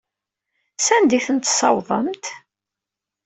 Sanda ay tent-tessawḍemt?